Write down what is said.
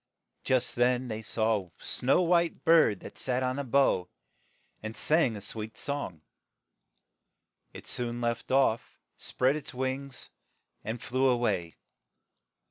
But just then they saw a snow white bird that sat on a bough, and sang a sweet song. It soon left off, and spread its wings, and flew a way.